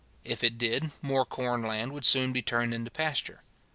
If it did, more corn land would soon be turned into pasture.